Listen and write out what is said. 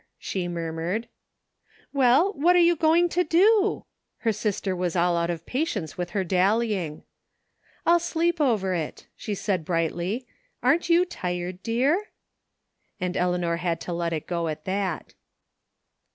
" she murmiu ed. Well, what are you going to do? " Her sister was all out of patience with her dallying. "I'll sleep over it," she said brightly. "Aren't you tired, dear? " And Eleanor had to let it go at that.